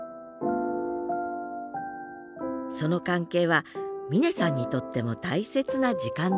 その関係は峰さんにとっても大切な時間でした